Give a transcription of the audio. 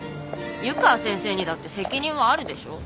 湯川先生にだって責任はあるでしょ？